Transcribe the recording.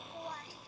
biar cepet sembuh